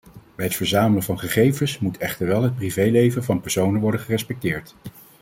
Bij het verzamelen van gegevens moet echter wel het privéleven van personen worden gerespecteerd.